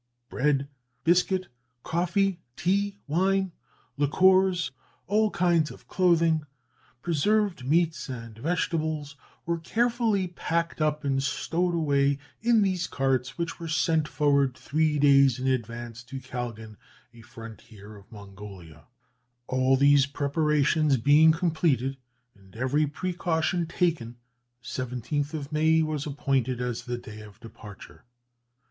Bread, rice, biscuit, coffee, tea, wine, liqueurs, all kinds of clothing, preserved meats and vegetables, were carefully packed up and stowed away in these carts, which were sent forward, three days in advance, to Kalgan, a frontier town of Mongolia. And all these preparations being completed, and every precaution taken, the 17th of May was appointed as the day of departure.